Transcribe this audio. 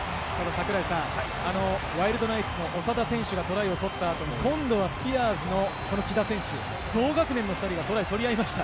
櫻井さん、ワイルドナイツの長田選手がトライを取ったあと、今度はスピアーズの木田選手、同学年の２人がトライ取り合いました。